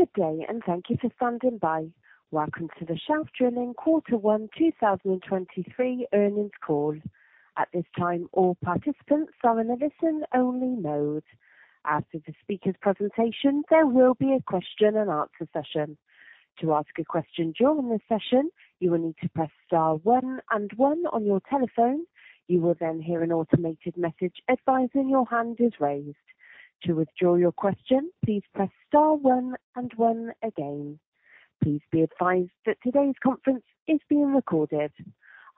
Good day, and thank you for standing by. Welcome to the Shelf Drilling Quarter One 2023 earnings call. At this time, all participants are in a listen only mode. After the speaker's presentation, there will be a question and answer session. To ask a question during this session, you will need to press star one and one on your telephone. You will then hear an automated message advising your hand is raised. To withdraw your question, please press star one and one again. Please be advised that today's conference is being recorded.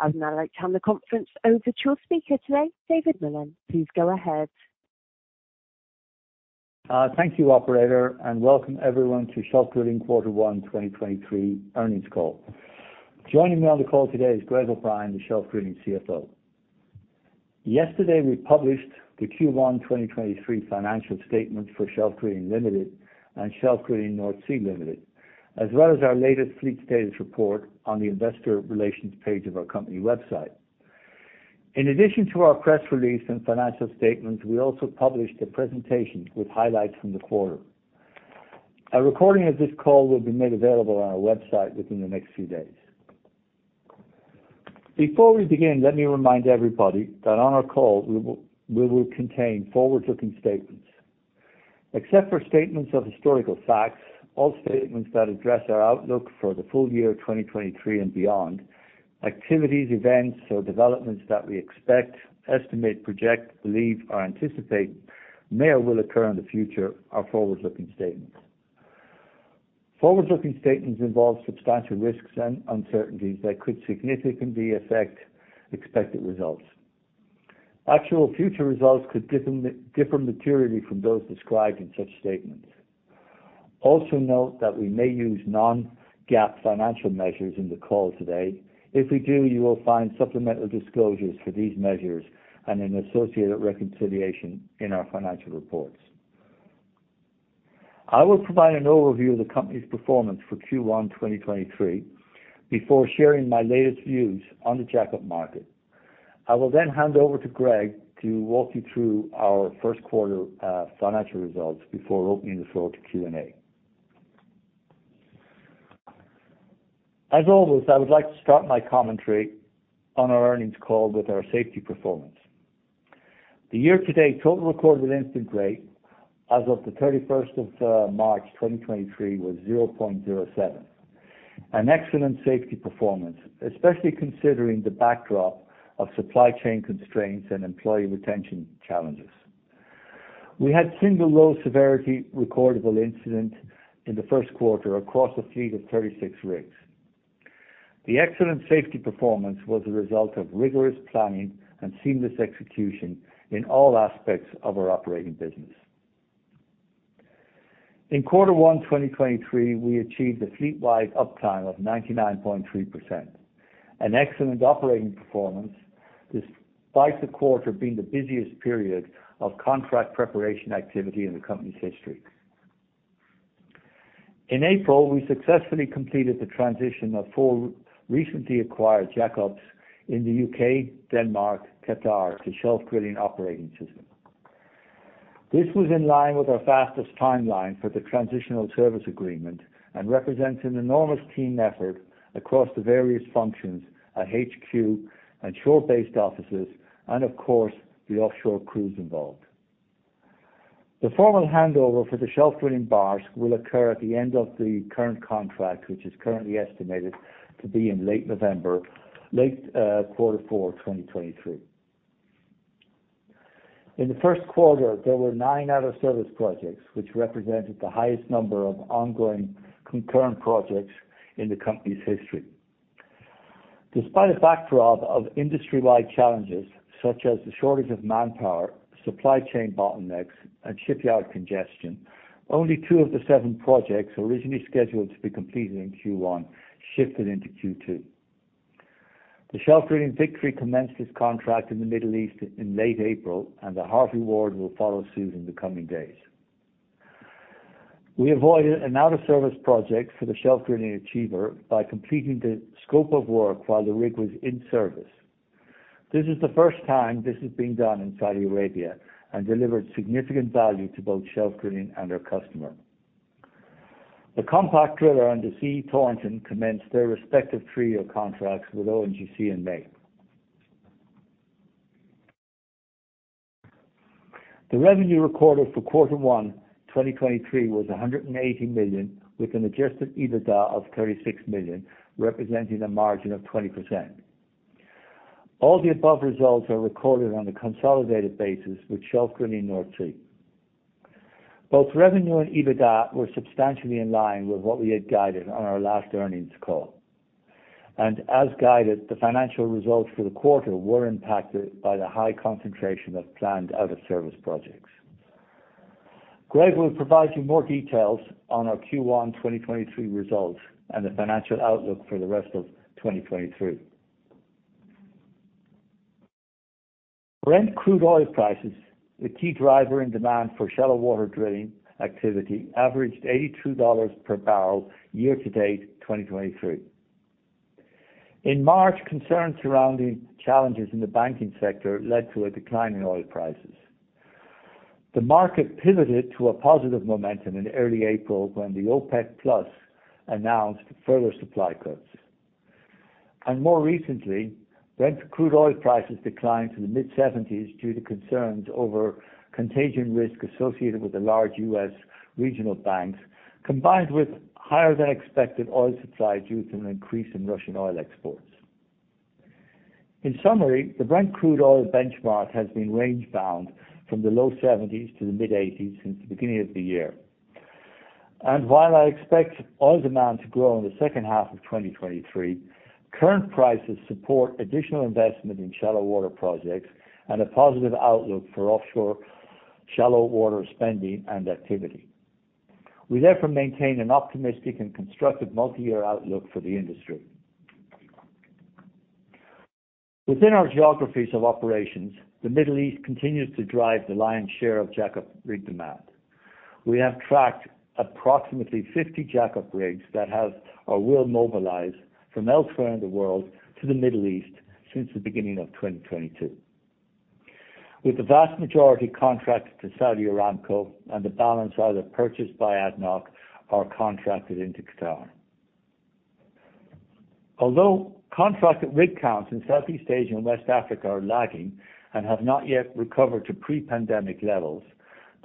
I would now like to hand the conference over to your speaker today, David Mullen. Please go ahead. Thank you, operator. Welcome everyone to Shelf Drilling Quarter One 2023 earnings call. Joining me on the call today is Greg O'Brien, the Shelf Drilling CFO. Yesterday, we published the Q1 2023 financial statement for Shelf Drilling Limited and Shelf Drilling North Sea Limited, as well as our latest fleet status report on the investor relations page of our company website. In addition to our press release and financial statements, we also published a presentation with highlights from the quarter. A recording of this call will be made available on our website within the next few days. Before we begin, let me remind everybody that on our call we will contain forward-looking statements. Except for statements of historical facts, all statements that address our outlook for the full year of 2023 and beyond, activities, events, or developments that we expect, estimate, project, believe or anticipate may or will occur in the future are forward-looking statements. Forward-looking statements involve substantial risks and uncertainties that could significantly affect expected results. Actual future results could differ materially from those described in such statements. Note that we may use non-GAAP financial measures in the call today. If we do, you will find supplemental disclosures for these measures and an associated reconciliation in our financial reports. I will provide an overview of the company's performance for Q1 2023 before sharing my latest views on the jackup market. I will hand over to Greg to walk you through our first quarter financial results before opening the floor to Q&A. As always, I would like to start my commentary on our earnings call with our safety performance. The year-to-date total recordable incident rate as of the March 31st, 2023 was 0.07. An excellent safety performance, especially considering the backdrop of supply chain constraints and employee retention challenges. We had single low severity recordable incident in the first quarter across a fleet of 36 rigs. The excellent safety performance was a result of rigorous planning and seamless execution in all aspects of our operating business. In quarter one 2023, we achieved a fleet-wide uptime of 99.3%. An excellent operating performance despite the quarter being the busiest period of contract preparation activity in the company's history. In April, we successfully completed the transition of 4 recently acquired jack-ups in the U.K., Denmark, Qatar to Shelf Drilling operating system. This was in line with our fastest timeline for the Transitional Service Agreement and represents an enormous team effort across the various functions at HQ and shore-based offices and of course the offshore crews involved. The formal handover for the Shelf Drilling Barsk will occur at the end of the current contract, which is currently estimated to be in late November, late quarter four 2023. In the first quarter, there were nine out of service projects which represented the highest number of ongoing concurrent projects in the company's history. Despite a backdrop of industry-wide challenges such as the shortage of manpower, supply chain bottlenecks, and shipyard congestion, only two of the seven projects originally scheduled to be completed in Q1 shifted into Q2. The Shelf Drilling Victory commenced its contract in the Middle East in late April, and the Harvey H. Ward will follow suit in the coming days. We avoided an out of service project for the Shelf Drilling Achiever by completing the scope of work while the rig was in service. This is the first time this has been done in Saudi Arabia and delivered significant value to both Shelf Drilling and their customer. The Compact Driller and the C.E. Thornton commenced their respective three-year contracts with ONGC in May. The revenue recorded for quarter one 2023 was $180 million, with an adjusted EBITDA of $36 million, representing a margin of 20%. All the above results are recorded on a consolidated basis with Shelf Drilling North Sea. As guided, the financial results for the quarter were impacted by the high concentration of planned out of service projects. Greg will provide you more details on our Q1 2023 results and the financial outlook for the rest of 2023. Brent crude oil prices, the key driver in demand for shallow water drilling activity, averaged $82 per barrel year to date 2023. In March, concerns surrounding challenges in the banking sector led to a decline in oil prices. The market pivoted to a positive momentum in early April when the OPEC+ announced further supply cuts. More recently, Brent crude oil prices declined to the mid-seventies due to concerns over contagion risk associated with the large U.S. regional banks, combined with higher than expected oil supply due to an increase in Russian oil exports. In summary, the Brent crude oil benchmark has been range bound from the low seventies to the mid-eighties since the beginning of the year. While I expect oil demand to grow in the second half of 2023, current prices support additional investment in shallow water projects and a positive outlook for offshore shallow water spending and activity. We therefore maintain an optimistic and constructive multi-year outlook for the industry. Within our geographies of operations, the Middle East continues to drive the lion's share of jack-up rig demand. We have tracked approximately 50 jack-up rigs that have or will mobilize from elsewhere in the world to the Middle East since the beginning of 2022, with the vast majority contracted to Saudi Aramco and the balance either purchased by ADNOC or contracted into Qatar. Although contracted rig counts in Southeast Asia and West Africa are lagging and have not yet recovered to pre-pandemic levels,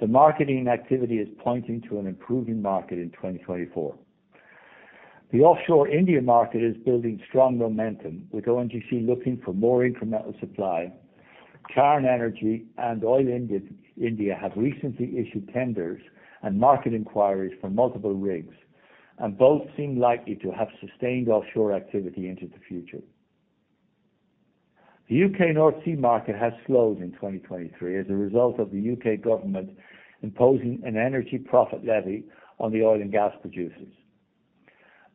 the marketing activity is pointing to an improving market in 2024. The offshore Indian market is building strong momentum, with ONGC looking for more incremental supply. Cairn and Oil India have recently issued tenders and market inquiries for multiple rigs. Both seem likely to have sustained offshore activity into the future. The U.K. North Sea market has slowed in 2023 as a result of the U.K. government imposing an Energy Profits Levy on the oil and gas producers.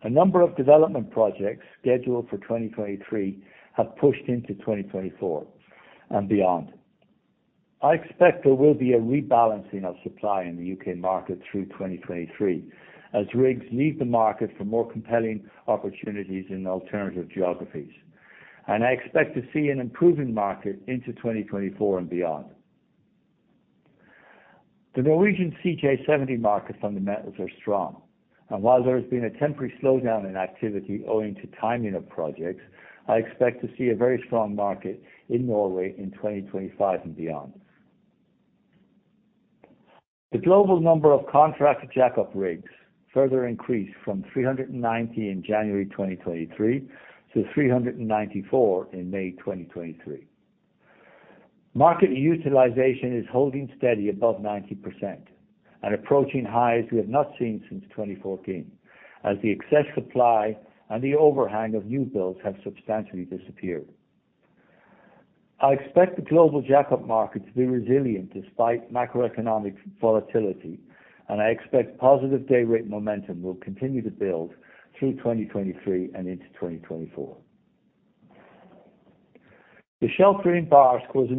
A number of development projects scheduled for 2023 have pushed into 2024 and beyond. I expect there will be a rebalancing of supply in the U.K. market through 2023 as rigs leave the market for more compelling opportunities in alternative geographies. I expect to see an improving market into 2024 and beyond. The Norwegian CJ70 market fundamentals are strong, and while there has been a temporary slowdown in activity owing to timing of projects, I expect to see a very strong market in Norway in 2025 and beyond. The global number of contracted jackup rigs further increased from 390 in January 2023 to 394 in May 2023. Market utilization is holding steady above 90% and approaching highs we have not seen since 2014 as the excess supply and the overhang of new builds have substantially disappeared. I expect the global jackup market to be resilient despite macroeconomic volatility, and I expect positive dayrate momentum will continue to build through 2023 and into 2024. The Shelf Drilling Barsk was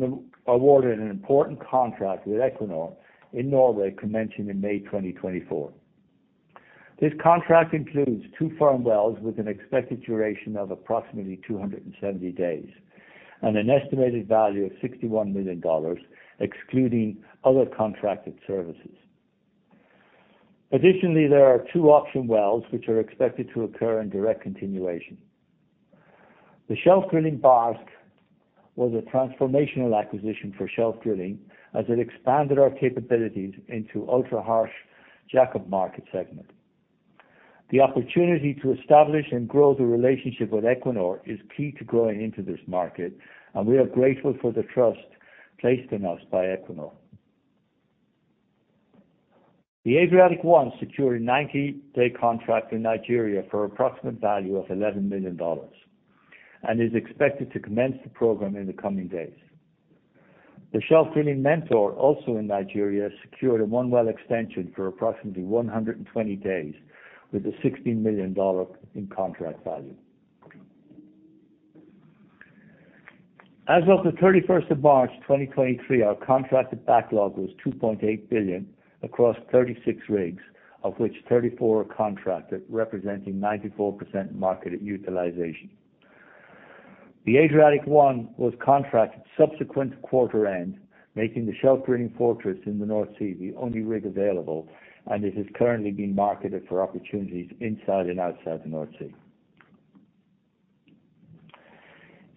awarded an important contract with Equinor in Norway, commencing in May 2024. This contract includes 2 firm wells with an expected duration of approximately 270 days and an estimated value of $61 million, excluding other contracted services. There are 2 option wells which are expected to occur in direct continuation. The Shelf Drilling Barsk was a transformational acquisition for Shelf Drilling as it expanded our capabilities into ultra-harsh jack-up market segment. The opportunity to establish and grow the relationship with Equinor is key to growing into this market, and we are grateful for the trust placed in us by Equinor. The Adriatic I secured a 90-day contract in Nigeria for approximate value of $11 million and is expected to commence the program in the coming days. The Shelf Drilling Mentor, also in Nigeria, secured a 1 well extension for approximately 120 days with a $16 million in contract value. As of the March 31st, 2023, our contracted backlog was $2.8 billion across 36 rigs, of which 34 are contracted, representing 94% marketed utilization. The Adriatic I was contracted subsequent to quarter end, making the Shelf Drilling Fortress in the North Sea the only rig available, it is currently being marketed for opportunities inside and outside the North Sea.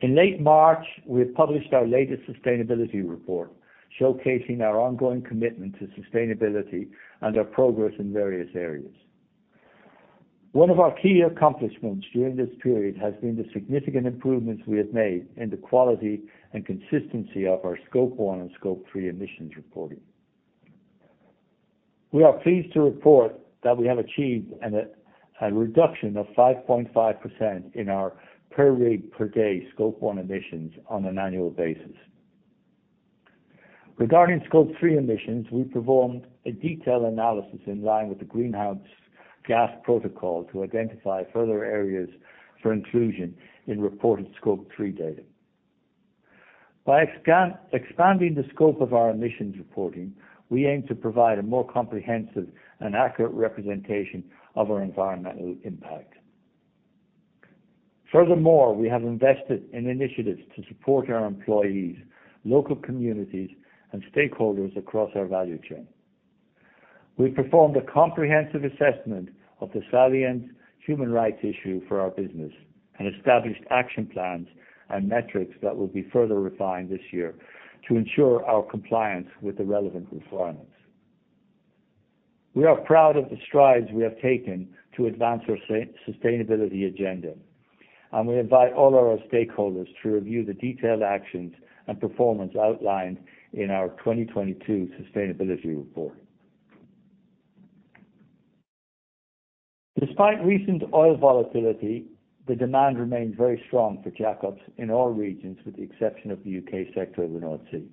In late March, we published our latest sustainability report showcasing our ongoing commitment to sustainability and our progress in various areas. One of our key accomplishments during this period has been the significant improvements we have made in the quality and consistency of our Scope One and Scope Three emissions reporting. We are pleased to report that we have achieved a reduction of 5.5% in our per rig, per day Scope One emissions on an annual basis. Regarding Scope Three emissions, we performed a detailed analysis in line with the Greenhouse Gas Protocol to identify further areas for inclusion in reported Scope Three data. By expanding the scope of our emissions reporting, we aim to provide a more comprehensive and accurate representation of our environmental impact. Furthermore, we have invested in initiatives to support our employees, local communities, and stakeholders across our value chain. We performed a comprehensive assessment of the salient human rights issue for our business and established action plans and metrics that will be further refined this year to ensure our compliance with the relevant requirements. We are proud of the strides we have taken to advance our sustainability agenda, and we invite all our stakeholders to review the detailed actions and performance outlined in our 2022 sustainability report. Despite recent oil volatility, the demand remains very strong for jack-ups in all regions, with the exception of the U.K. sector of the North Sea.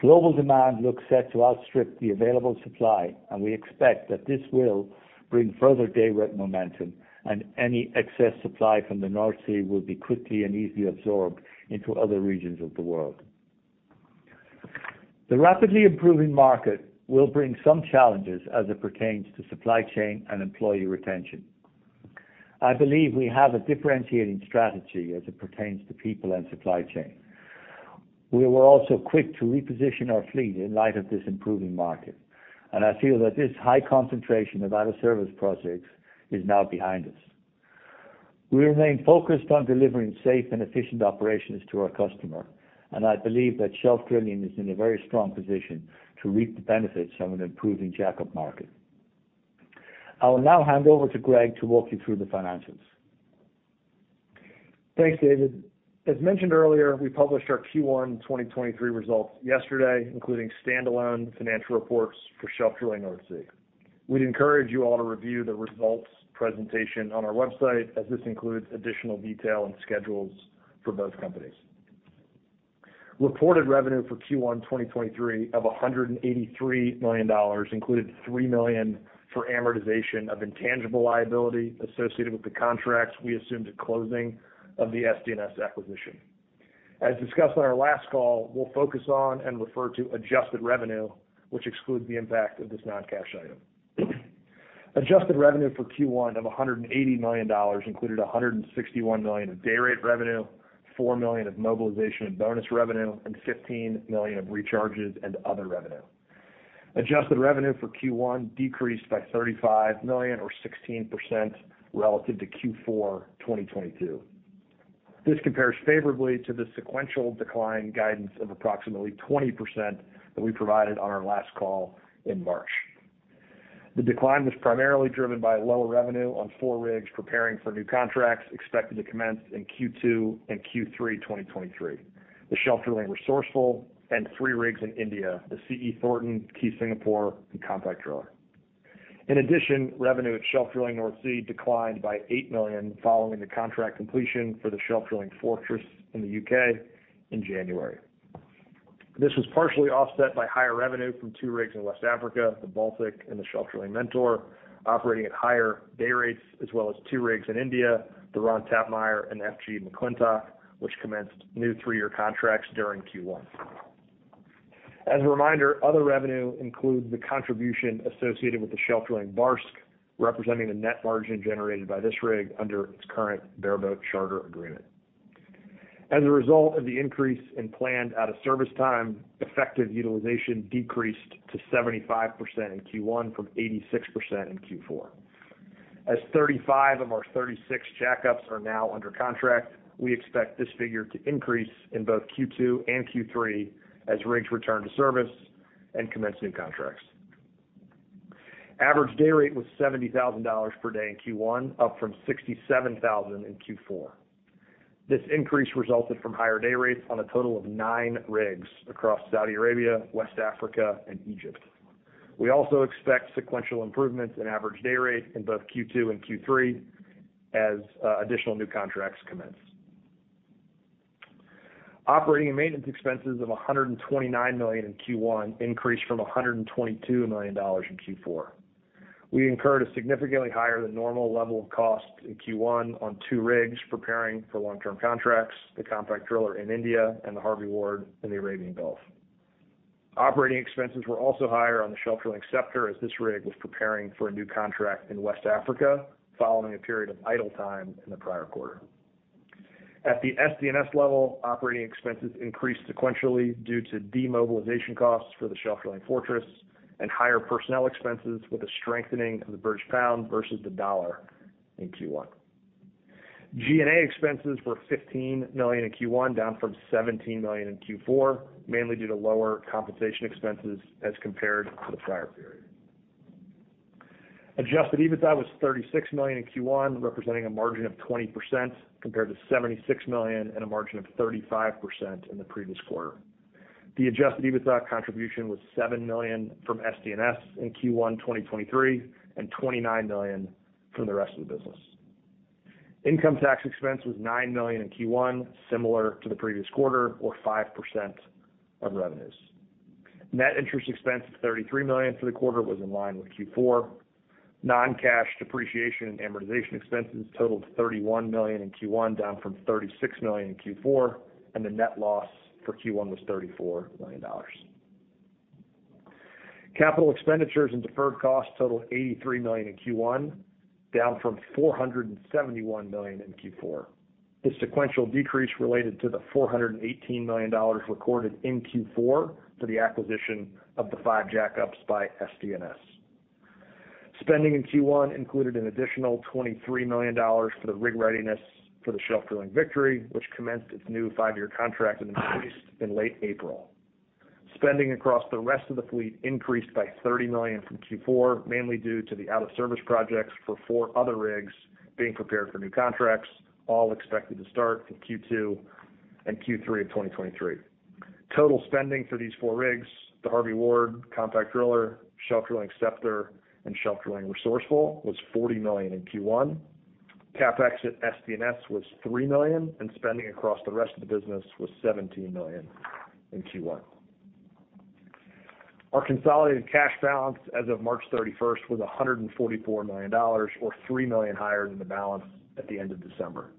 Global demand looks set to outstrip the available supply, and we expect that this will bring further dayrate momentum and any excess supply from the North Sea will be quickly and easily absorbed into other regions of the world. The rapidly improving market will bring some challenges as it pertains to supply chain and employee retention. I believe we have a differentiating strategy as it pertains to people and supply chain. We were also quick to reposition our fleet in light of this improving market, and I feel that this high concentration of out-of-service projects is now behind us. We remain focused on delivering safe and efficient operations to our customer. I believe that Shelf Drilling is in a very strong position to reap the benefits of an improving jack-up market. I will now hand over to Greg to walk you through the financials. Thanks, David. As mentioned earlier, we published our Q1 2023 results yesterday, including standalone financial reports for Shelf Drilling North Sea. We'd encourage you all to review the results presentation on our website, as this includes additional detail and schedules for both companies. Reported revenue for Q1 2023 of $183 million included $3 million for amortization of intangible liability associated with the contracts we assumed at closing of the SDNS acquisition. As discussed on our last call, we'll focus on and refer to adjusted revenue, which excludes the impact of this non-cash item. Adjusted revenue for Q1 of $180 million included $161 million of dayrate revenue, $4 million of mobilization and bonus revenue, and $15 million of recharges and other revenue. Adjusted revenue for Q1 decreased by $35 million or 16% relative to Q4 2022. This compares favorably to the sequential decline guidance of approximately 20% that we provided on our last call in March. The decline was primarily driven by lower revenue on four rigs preparing for new contracts expected to commence in Q2 and Q3 2023. The Shelf Drilling Resourceful and three rigs in India, the C.E. Thornton, Key Singapore, and Compact Driller. Revenue at Shelf Drilling North Sea declined by $8 million following the contract completion for the Shelf Drilling Fortress in the U.K. in January. This was partially offset by higher revenue from two rigs in West Africa, the Baltic and the Shelf Drilling Mentor, operating at higher day rates as well as 2 rigs in India, the Ron Tappmeyer and F.G. McClintock, which commenced new 3-year contracts during Q1. As a reminder, other revenue includes the contribution associated with the Shelf Drilling Barsk, representing the net margin generated by this rig under its current bareboat charter agreement. As a result of the increase in planned out-of-service time, effective utilization decreased to 75% in Q1 from 86% in Q4. As 35 of our 36 jackups are now under contract, we expect this figure to increase in both Q2 and Q3 as rigs return to service and commence new contracts. Average dayrate was $70,000 per day in Q1, up from $67,000 in Q4. This increase resulted from higher dayrates on a total of nine rigs across Saudi Arabia, West Africa, and Egypt. We also expect sequential improvements in average dayrate in both Q2 and Q3 as additional new contracts commence. Operating and maintenance expenses of $129 million in Q1 increased from $122 million in Q4. We incurred a significantly higher-than-normal level of costs in Q1 on two rigs preparing for long-term contracts, the Compact Driller in India and the Harvey H. Ward in the Arabian Gulf. Operating expenses were also higher on the Shelf Drilling Scepter as this rig was preparing for a new contract in West Africa following a period of idle time in the prior quarter. At the SDNS level, operating expenses increased sequentially due to demobilization costs for the Shelf Drilling Fortress and higher personnel expenses with a strengthening of the British pound versus the dollar in Q1. G&A expenses were $15 million in Q1, down from $17 million in Q4, mainly due to lower compensation expenses as compared to the prior period. Adjusted EBITDA was $36 million in Q1, representing a margin of 20%, compared to $76 million and a margin of 35% in the previous quarter. The adjusted EBITDA contribution was $7 million from SDNS in Q1 2023 and $29 million from the rest of the business. Income tax expense was $9 million in Q1, similar to the previous quarter or 5% of revenues. Net interest expense of $33 million for the quarter was in line with Q4. Non-cash depreciation and amortization expenses totaled $31 million in Q1, down from $36 million in Q4. The net loss for Q1 was $34 million. Capital expenditures and deferred costs totaled $83 million in Q1, down from $471 million in Q4. The sequential decrease related to the $418 million recorded in Q4 for the acquisition of the five jackups by SDNS. Spending in Q1 included an additional $23 million for the rig readiness for the Shelf Drilling Victory, which commenced its new five-year contract in the Middle East in late April. Spending across the rest of the fleet increased by $30 million from Q4, mainly due to the out-of-service projects for four other rigs being prepared for new contracts, all expected to start in Q2 and Q3 of 2023. Total spending for these four rigs, the Harvey Ward, Compact Driller, Shelf Drilling Scepter, and Shelf Drilling Resourceful, was $40 million in Q1. CapEx at SDNS was $3 million, Spending across the rest of the business was $17 million in Q1. Our consolidated cash balance as of March 31st was $144 million, or $3 million higher than the balance at the end of December.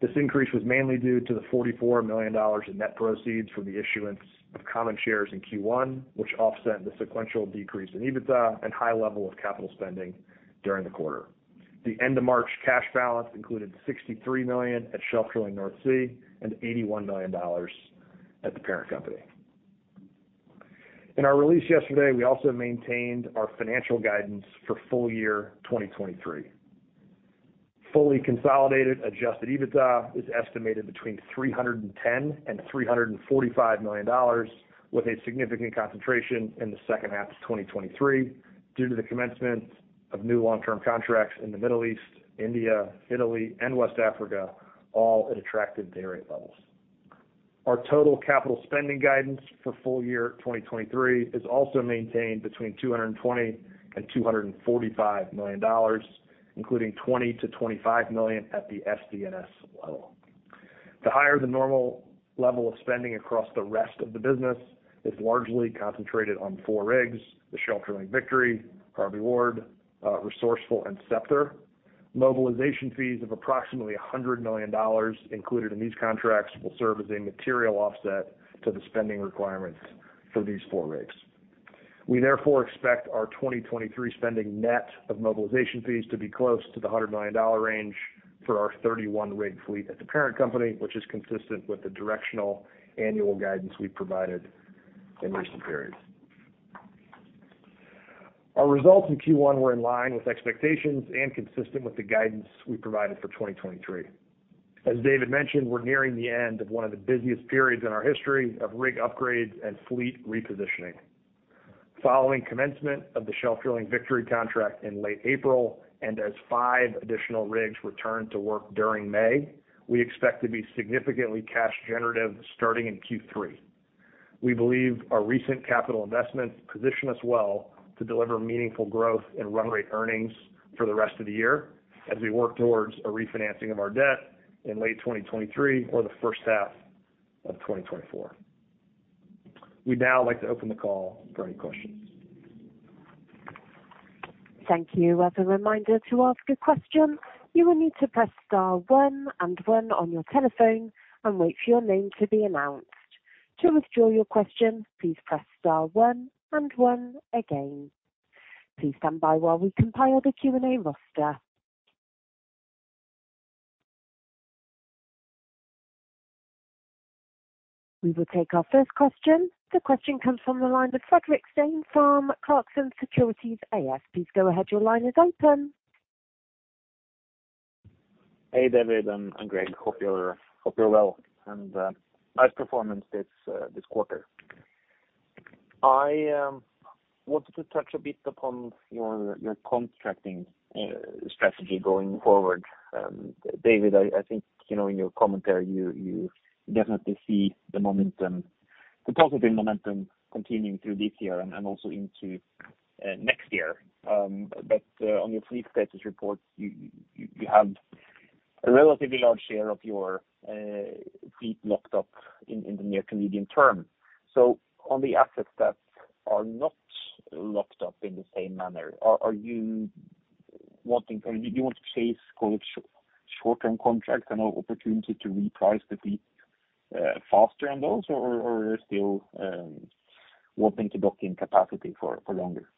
This increase was mainly due to the $44 million in net proceeds from the issuance of common shares in Q1, which offset the sequential decrease in EBITDA and high level of capital spending during the quarter. The end of March cash balance included $63 million at Shelf Drilling North Sea and $81 million at the parent company. In our release yesterday, we also maintained our financial guidance for full year 2023. Fully consolidated adjusted EBITDA is estimated between $310 million and $345 million, with a significant concentration in the second half of 2023 due to the commencement of new long-term contracts in the Middle East, India, Italy, and West Africa, all at attractive dayrate levels. Our total capital spending guidance for full year 2023 is also maintained between $220 million-$245 million, including $20 million-$25 million at the SDNS level. The higher-than-normal level of spending across the rest of the business is largely concentrated on four rigs: the Shelf Drilling Victory, Harvey H. Ward, Shelf Drilling Resourceful, and Shelf Drilling Scepter. Mobilization fees of approximately $100 million included in these contracts will serve as a material offset to the spending requirements for these four rigs. We therefore expect our 2023 spending net of mobilization fees to be close to the $100 million range for our 31 rig fleet at the parent company, which is consistent with the directional annual guidance we provided in recent periods. Our results in Q1 were in line with expectations and consistent with the guidance we provided for 2023. As David mentioned, we're nearing the end of one of the busiest periods in our history of rig upgrades and fleet repositioning. Following commencement of the Shelf Drilling Victory contract in late April, and as five additional rigs returned to work during May, we expect to be significantly cash generative starting in Q3. We believe our recent capital investments position us well to deliver meaningful growth in run rate earnings for the rest of the year as we work towards a refinancing of our debt in late 2023 or the first half of 2024. We'd now like to open the call for any questions. Thank you. As a reminder, to ask a question, you will need to press star one and one on your telephone and wait for your name to be announced. To withdraw your question, please press star one and one again. Please stand by while we compile the Q&A roster. We will take our first question. The question comes from the line of Fredrik Stene from Clarksons Securities AS. Please go ahead. Your line is open. Hey, David and Greg. Hope you're well. Nice performance this quarter. I wanted to touch a bit upon your contracting strategy going forward. David, I think, you know, in your commentary, you definitely see the momentum, the positive momentum continuing through this year and also into next year. On your fleet status reports, you have a relatively large share of your fleet locked up in the near and medium term. On the assets that are not locked up in the same manner, do you want to chase kind of short-term contracts and have opportunity to reprice the fleet faster on those, or you're still wanting to book in capacity for longer?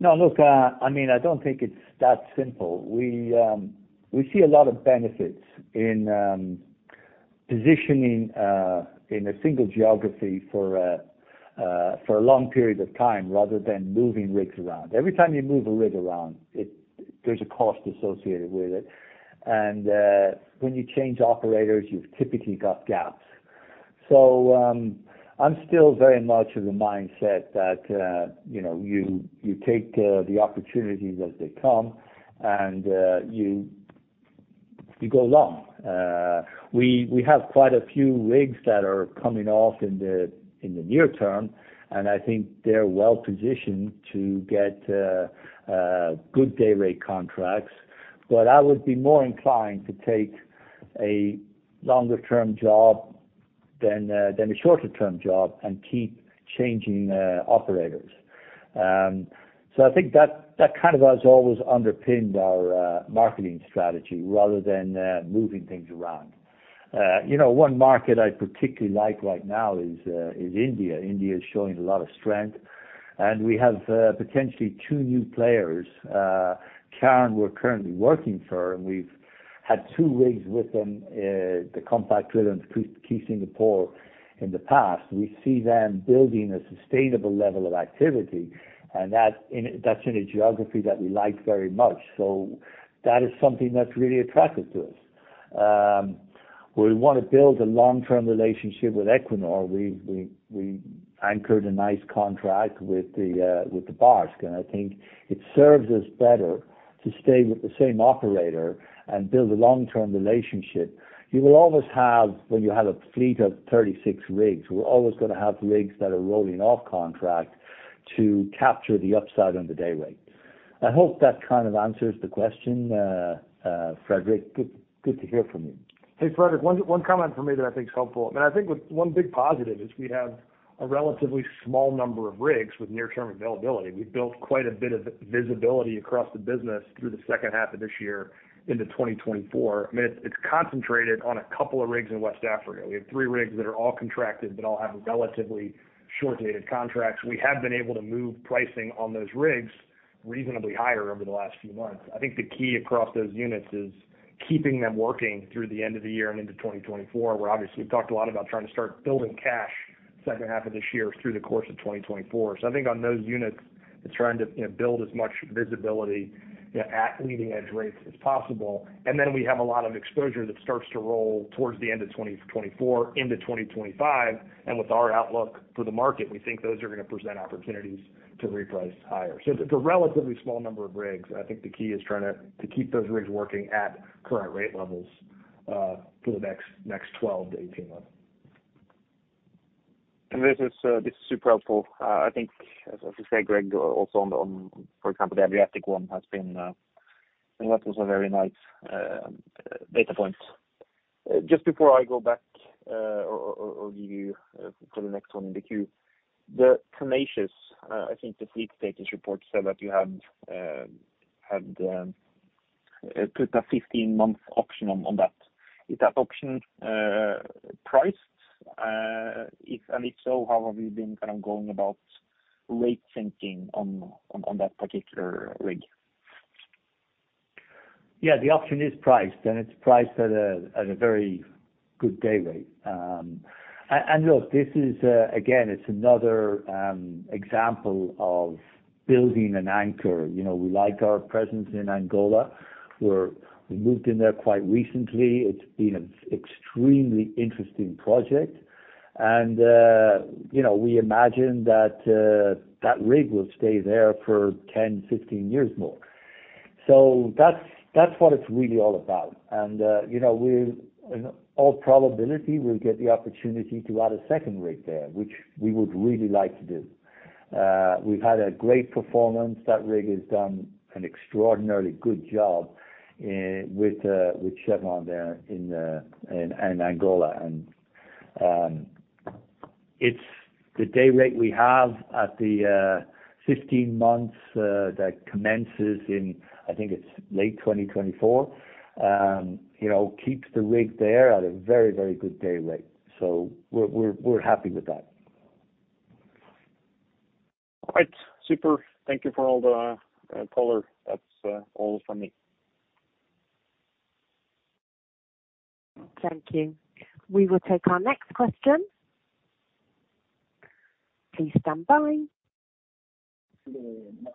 Look, I mean, I don't think it's that simple. We see a lot of benefits in positioning in a single geography for a long period of time rather than moving rigs around. Every time you move a rig around, there's a cost associated with it. When you change operators, you've typically got gaps. I'm still very much of the mindset that, you know, you take the opportunities as they come and you go long. We have quite a few rigs that are coming off in the near term, and I think they're well-positioned to get good dayrate contracts. I would be more inclined to take a longer-term job than a shorter-term job and keep changing operators. I think that kind of has always underpinned our marketing strategy rather than moving things around. You know, one market I particularly like right now is India. India is showing a lot of strength, and we have potentially two new players. Cairn, we're currently working for, and we've had two rigs with them, the Compact Driller Key Singapore in the past. We see them building a sustainable level of activity, and that's in a geography that we like very much. That is something that's really attractive to us. We wanna build a long-term relationship with Equinor. We anchored a nice contract with the Barsk. I think it serves us better to stay with the same operator and build a long-term relationship. You will always have when you have a fleet of 36 rigs, we're always gonna have rigs that are rolling off contract to capture the upside on the dayrate. I hope that kind of answers the question, Fredrik. Good to hear from you. Hey, Fredrik. 1 comment from me that I think is helpful. I mean, I think with 1 big positive is we have a relatively small number of rigs with near-term availability. We've built quite a bit of visibility across the business through the second half of this year into 2024. I mean, it's concentrated on a couple of rigs in West Africa. We have three rigs that are all contracted, but all have relatively short-dated contracts. We have been able to move pricing on those rigs reasonably higher over the last few months. I think the key across those units is keeping them working through the end of the year and into 2024, where obviously we've talked a lot about trying to start building cash second half of this year through the course of 2024. I think on those units, it's trying to, you know, build as much visibility at leading edge rates as possible. Then we have a lot of exposure that starts to roll towards the end of 2024 into 2025. With our outlook for the market, we think those are gonna present opportunities to reprice higher. It's a relatively small number of rigs. I think the key is trying to keep those rigs working at current rate levels for the next 12 to 18 months. This is super helpful. I think as you say, Greg, also on, for example, the Adriatic I has been, and that was a very nice data point. Just before I go back, or give you for the next one in the queue, the Tenacious, I think the fleet status report said that you had put a 15-month option on that. Is that option priced? If and if so, how have you been kind of going about rate thinking on that particular rig? Yeah, the option is priced, and it's priced at a very good day rate. Look, this is, again, it's another example of building an anchor. You know, we like our presence in Angola. We moved in there quite recently. It's been an extremely interesting project, you know, we imagine that rig will stay there for 10, 15 years more. That's, that's what it's really all about. You know, we've in all probability, we'll get the opportunity to add a second rig there, which we would really like to do. We've had a great performance. That rig has done an extraordinarily good job with Chevron there in Angola. It's the day rate we have at the 15 months that commences in, I think it's late 2024, you know, keeps the rig there at a very, very good day rate. We're happy with that. All right. Super. Thank you for all the color. That's all from me. Thank you. We will take our next question. Please stand by.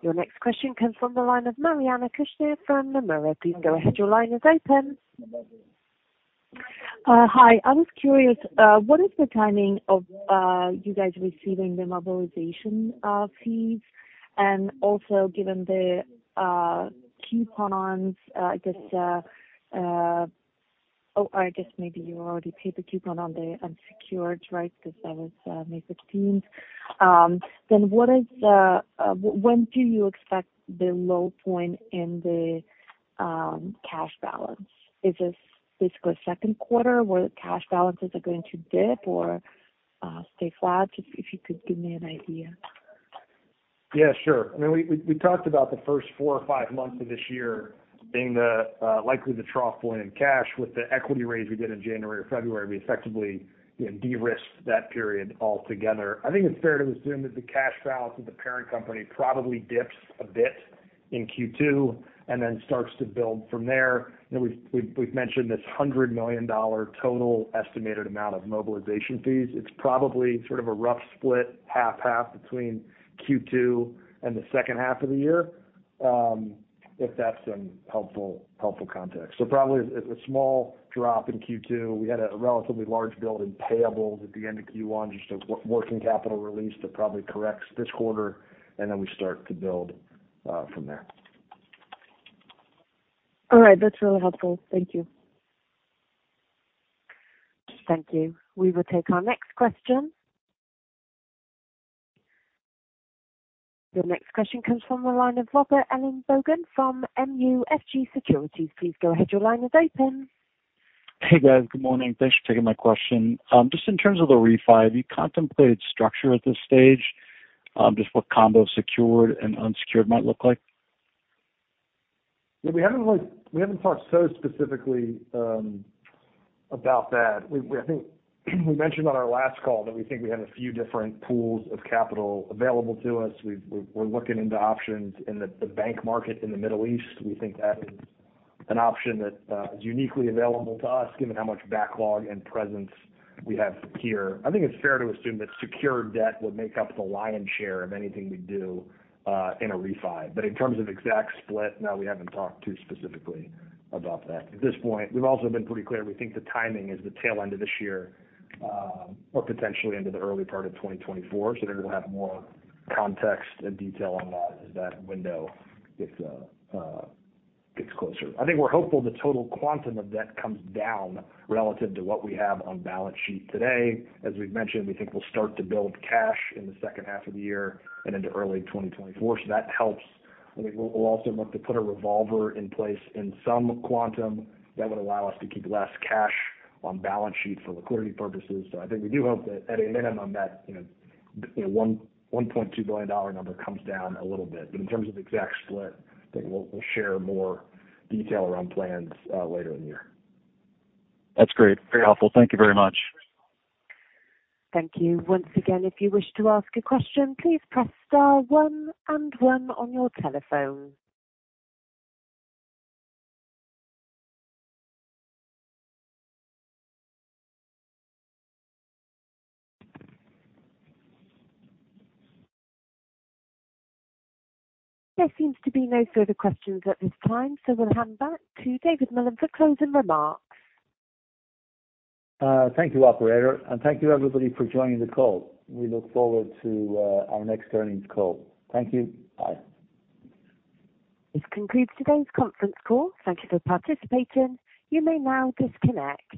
Your next question comes from the line of Maryana Kushnir from Nomura. Please go ahead. Your line is open. Hi. I was curious, what is the timing of you guys receiving the mobilization fees? Also given the coupons, I guess, Oh, I guess maybe you already paid the coupon on the unsecured, right? 'Cause that was May 16th. What is the when do you expect the low point in the cash balance? Is this basically second quarter where the cash balances are going to dip or stay flat? If you could give me an idea. Sure. I mean, we talked about the first 4 or 5 months of this year being the likely the trough point in cash with the equity raise we did in January or February. We effectively, you know, de-risked that period altogether. I think it's fair to assume that the cash balance of the parent company probably dips a bit in Q2 and then starts to build from there. You know, we've mentioned this $100 million total estimated amount of mobilization fees. It's probably sort of a rough split, half/half between Q2 and the second half of the year, if that's some helpful context. Probably a small drop in Q2. We had a relatively large build in payables at the end of Q1, just a working capital release that probably corrects this quarter. We start to build from there. All right. That's really helpful. Thank you. Thank you. We will take our next question. Your next question comes from the line of Robert Ellenbogen from MUFG Securities. Please go ahead. Your line is open. Hey, guys. Good morning. Thanks for taking my question. Just in terms of the refi, have you contemplated structure at this stage, just what combo secured and unsecured might look like? Yeah, we haven't like we haven't talked so specifically about that. We I think we mentioned on our last call that we think we have a few different pools of capital available to us. We're looking into options in the bank market in the Middle East. We think that is an option that is uniquely available to us given how much backlog and presence we have here. I think it's fair to assume that secured debt would make up the lion's share of anything we do in a refi. In terms of exact split, no, we haven't talked too specifically about that at this point. We've also been pretty clear we think the timing is the tail end of this year, or potentially into the early part of 2024. I think we'll have more context and detail on that as that window gets closer. I think we're hopeful the total quantum of debt comes down relative to what we have on balance sheet today. As we've mentioned, we think we'll start to build cash in the second half of the year and into early 2024. That helps. I think we'll also look to put a revolver in place in some quantum that would allow us to keep less cash on balance sheet for liquidity purposes. I think we do hope that at a minimum that, you know, that $1.2 billion number comes down a little bit. In terms of exact split, I think we'll share more detail around plans, later in the year. That's great. Very helpful. Thank you very much. Thank you. Once again, if you wish to ask a question, please press star one and one on your telephone. There seems to be no further questions at this time. We'll hand back to David Mullen for closing remarks. Thank you, operator, and thank you everybody for joining the call. We look forward to our next earnings call. Thank you. Bye. This concludes today's conference call. Thank You for participating. You may now disconnect.